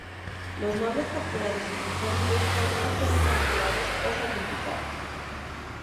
Los nobles capturados y sus familias podrían ser encarcelados o sacrificados.